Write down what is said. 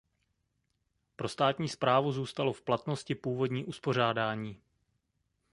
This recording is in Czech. Pro státní správu zůstalo v platnosti původní uspořádání.